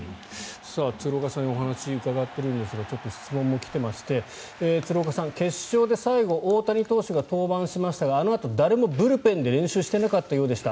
鶴岡さんにお話を伺っているんですがちょっと質問も来ていまして鶴岡さん、決勝で最後大谷投手が登板しましたがあのあと誰もブルペンで練習していなかったようでした。